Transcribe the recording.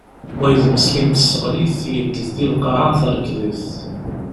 Wayeḍ meskin tesseɣli-t, yedded di lqaɛa, terkeḍ-it.